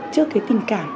trước cái tình cảm